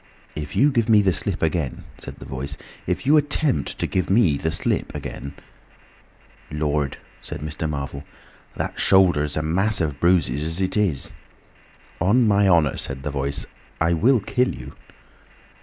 "If you give me the slip again," said the Voice, "if you attempt to give me the slip again—" "Lord!" said Mr. Marvel. "That shoulder's a mass of bruises as it is." "On my honour," said the Voice, "I will kill you."